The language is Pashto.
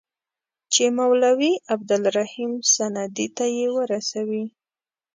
چي مولوي عبدالرحیم سندي ته یې ورسوي.